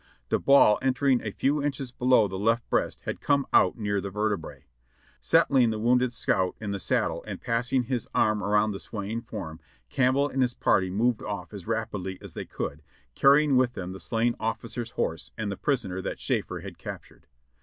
The ball entering a few inches below the left breast had come out near the vertebrae. Settling the wounded scout in the saddle and passing his arm around the swaying form, Camp bell and his party moved off as rapidly as they could, carrying with them the slain officer's horse and the prisoner that Schafer had captured.